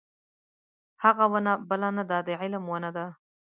هغه ونه بله نه ده د علم ونه ده.